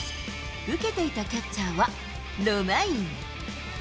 受けていたキャッチャーは、ロマイン。